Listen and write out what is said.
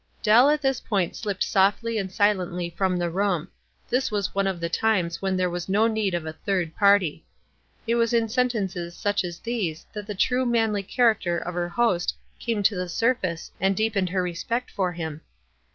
12 178 WISE AND OTHERWISE. Dell at this point slipped softly and silently from the room, — this was one of the times when there was no need of a third party. It was in sentences such as these that the true manly character of her host came to the surface and deepened her respect for him.